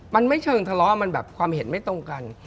มันไม่เชิงทะเลาะมันแบบความเห็นไม่ตรงกัน